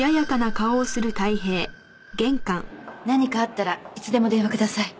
何かあったらいつでも電話ください。